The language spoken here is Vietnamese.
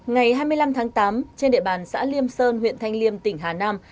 ngày hai mươi năm tháng tám trên địa bàn xã liêm sơn huyện thanh liêm tỉnh hà nam